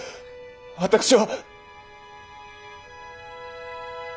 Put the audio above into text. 私は！